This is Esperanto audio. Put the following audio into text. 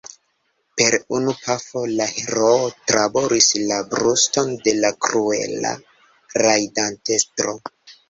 Per unu pafo la heroo traboris la bruston de la kruela rajdantestro.